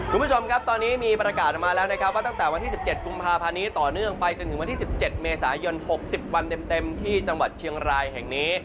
คุณผู้ชมครับตอนนี้มีประกาศออกมาแล้วนะครับว่าตั้งแต่วันที่๑๗กุมภาพันธ์นี้ต่อเนื่องไปจนถึงวันที่๑๗เมษายน๖๐วันเต็มที่จังหวัดเชียงรายแห่งนี้